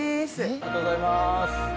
ありがとうございます。